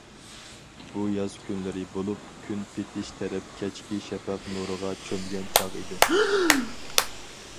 بۇ ياز كۈنلىرى بولۇپ، كۈن پېتىش تەرەپ كەچكى شەپەق نۇرىغا چۆمگەن چاغ ئىدى.